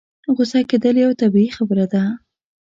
غوسه کېدل يوه طبيعي خبره ده.